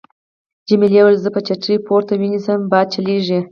جميلې وويل:: زه به چترۍ پورته ونیسم، باد چلېږي.